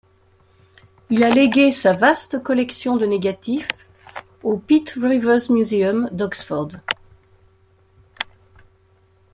Il a légué sa vaste collection de négatifs au Pitt Rivers Museum d'Oxford.